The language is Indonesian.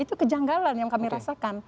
itu kejanggalan yang kami rasakan